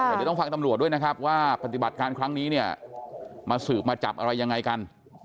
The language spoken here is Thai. เดี๋ยวต้องฟังตำรวจด้วยนะครับว่าปฏิบัติการครั้งนี้เนี่ยมาสืบมาจับอะไรยังไงกัน